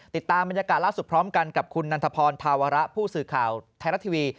ติดตามบรรยากาศล่าสุดพร้อมกันกับคุณนันทพรธาวระผู้สื่อข่าวไทยรัฐทีวี